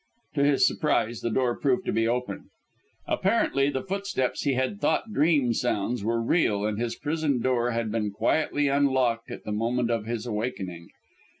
To his surprise the door proved to be open. Apparently the footsteps he had thought dream sounds were real, and his prison door had been quietly unlocked at the moment of his awakening.